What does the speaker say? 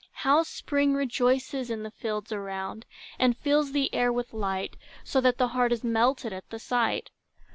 How Spring rejoices in the fields around, And fills the air with light, So that the heart is melted at the sight!